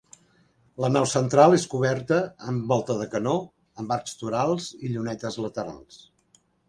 La nau central és coberta amb volta de canó, amb arcs torals i llunetes laterals.